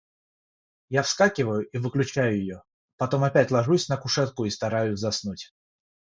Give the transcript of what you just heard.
Я вскакиваю и выключаю ее, потом опять ложусь на кушетку и стараюсь заснуть.